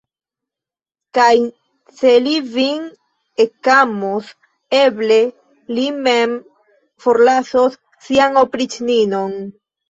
Kaj se li vin ekamos, eble li mem forlasos sian opriĉninon.